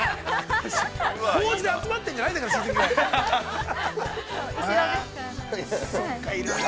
法事で集まってるんじゃないんだから親戚が。